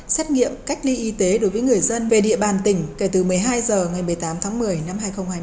xét nghiệm cách ly y tế đối với người dân về địa bàn tỉnh kể từ một mươi hai h ngày một mươi tám tháng một mươi năm hai nghìn hai mươi